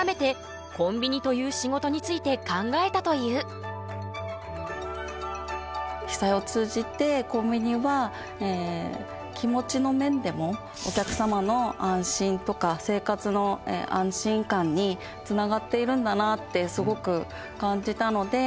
改めて被災を通じてコンビニは気持ちの面でもお客様の安心とか生活の安心感につながっているんだなってすごく感じたので。